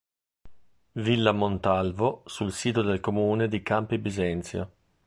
Villa Montalvo sul sito del Comune di Campi Bisenzio